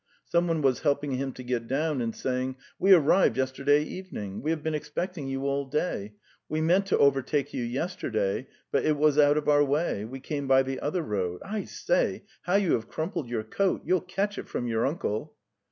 Someone was helping him to get down, and saying: "We arrived yesterday evening. ... We have been expecting you all day. We meant to overtake you yesterday, but it was out of our way; we came by the other road. I say, how you have crumpled your coat! You'll catch it from your uncle!